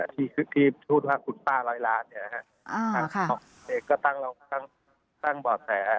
ที่พูดว่าคุณป้า๑๐๐ล้านบาทเองก็ตั้งบ่อแส